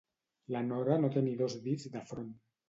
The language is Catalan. La Nora no té ni dos dits de front.